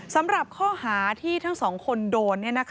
สำหรับข้อหาที่ทั้งสองคนโดน